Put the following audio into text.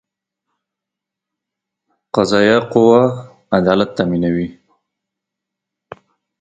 قضایه قوه عدالت تامینوي